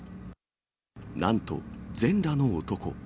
なんと全裸の男。